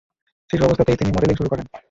শিশু অবস্থাতেই তিনি মডেলিং শুরু করেন।